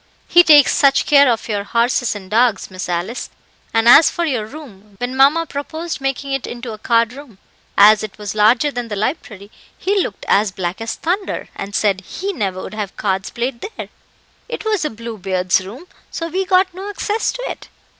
"He takes such care of your horses and dogs, Miss Alice; and as for your room, when mama proposed making it into a card room, as it was larger than the library, he looked as black as thunder, and said he never would have cards played there. It was a Blue Beard's room, so we got no access to it."